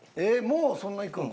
もうそんないくん？